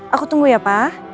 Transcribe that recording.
aku tunggu ya pak